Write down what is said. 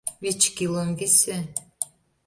— Вич килом висе.